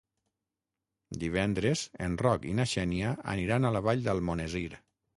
Divendres en Roc i na Xènia aniran a la Vall d'Almonesir.